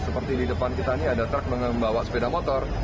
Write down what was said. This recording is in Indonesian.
seperti di depan kita ini ada truk membawa sepeda motor